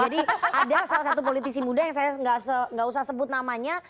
jadi ada salah satu politisi muda yang saya gak usah sebut namanya